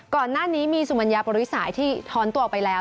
ก่อนหน้านี้มีสุมัญญาปริสายที่ท้อนตัวไปแล้ว